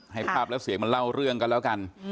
ให้ภาพแล้วเสียงมันเล่าเรื่องกันแล้วกัน